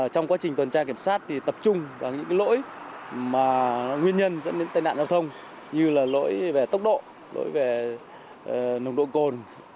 trong quá trình tuần tra kiểm soát thì tập trung vào những lỗi mà nguyên nhân dẫn đến tai nạn giao thông như là lỗi về tốc độ lỗi về nồng độ cồn